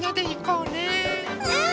うん！